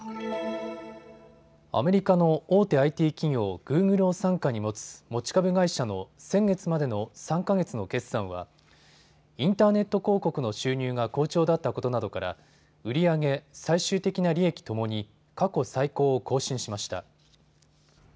アメリカの大手ＩＴ企業、グーグルを傘下に持つ持ち株会社の先月までの３か月の決算はインターネット広告の収入が好調だったことなどから売り上げ、最終的な利益ともに過去最高を更新しました。